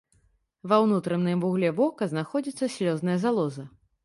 Ва ўнутраным вугле вока знаходзіцца слёзная залоза.